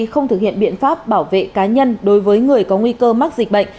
không thực hiện biện pháp bảo vệ cá nhân đối với người có nguy cơ mắc dịch bệnh